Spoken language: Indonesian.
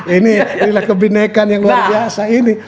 inilah kebenekaan yang luar biasa ini